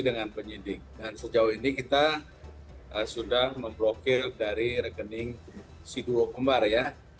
dengan penyidik dan sejauh ini kita sudah memblokir dari rekening si dua kembar ya